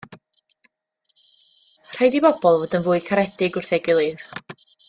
Rhaid i bobl fod yn fwy caredig wrth ei gilydd.